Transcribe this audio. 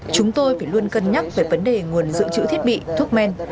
chúng tôi phải luôn cân nhắc về vấn đề nguồn dự trữ thiết bị thuốc men